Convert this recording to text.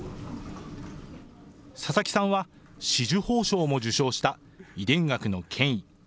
佐々木さんは、紫綬褒章も受章した遺伝学の権威。